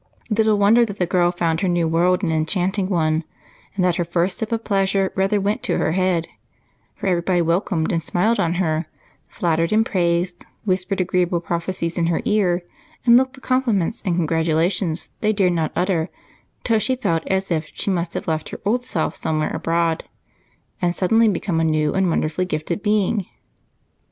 Little wonder that the girl found her new world an enchanting one and that her first sip of pleasure rather went to her head, for everybody welcomed and smiled on her, flattered and praised, whispered agreeable prophecies in her ear, and looked the compliments and congratulations they dared not utter till she felt as if she must have left her old self somewhere abroad and suddenly become a new and wonderfully gifted being.